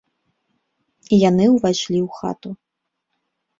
І яны ўвайшлі ў хату.